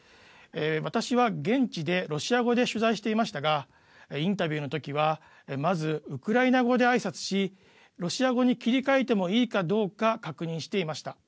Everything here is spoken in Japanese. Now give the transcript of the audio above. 私は現地でロシア語で取材していましたがインタビューの時はまず、ウクライナ語であいさつしロシア語に切り替えてもいいかどうか確認していました。